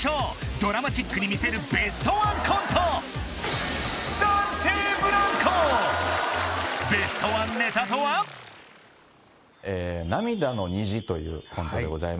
ドラマチックに魅せるベストワンコントベストワンネタとは？というコントでございます